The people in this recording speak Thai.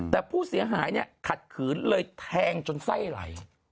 แต่ผู้เสียหายเนี่ยขัดขืนเลยแทงจนไส้ไหล